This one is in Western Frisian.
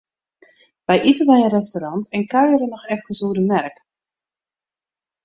Wy ite by in restaurant en kuierje noch efkes oer de merk.